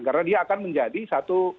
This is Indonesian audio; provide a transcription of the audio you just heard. karena dia akan menjadi satu